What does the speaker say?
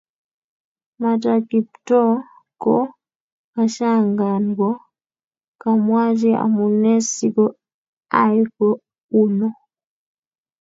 matak Kiptoo ko kashangaan ko kamwachi amune siko ai ko u no